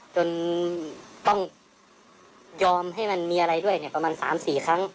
จนต้องยอมให้มันมีอะไรด้วยเนี่ยประมาณ๓๔ครั้ง